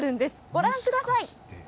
ご覧ください。